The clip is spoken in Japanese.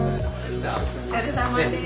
お疲れさまです。